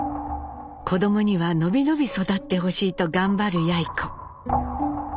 子どもには伸び伸び育ってほしいと頑張るやい子。